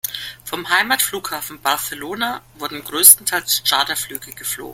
Vom Heimatflughafen Barcelona wurden größtenteils Charterflüge geflogen.